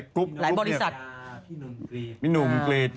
ก็ปพริเวณบริษัท